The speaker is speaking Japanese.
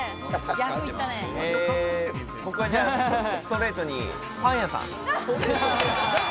僕はじゃあストレートにパン屋さん。